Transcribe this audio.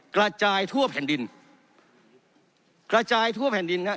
กระจายทั่วแผ่นดินกระจายทั่วแผ่นดินครับ